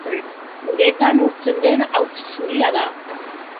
Uretan urtzen den hauts zuria da.